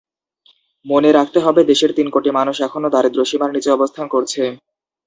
মনে রাখতে হবে, দেশের তিন কোটি মানুষ এখনো দারিদ্র্যসীমার নিচে অবস্থান করছে।